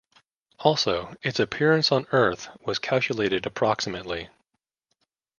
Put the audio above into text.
Also, its appearance on Earth was calculated approximately.